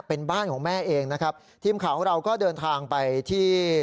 เป็นบ้านของแม่เองนะครับทีมข่าวของเราก็เดินทางไปที่